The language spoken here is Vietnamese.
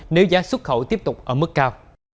nếu giá xuất khẩu tiếp tục ở mức cao